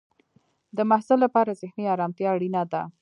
د محصل لپاره ذهنی ارامتیا اړینه ده.